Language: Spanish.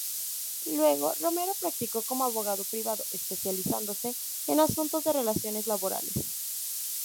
Luego, Romero practicó como abogado privado, especializándose en asuntos de relaciones laborales.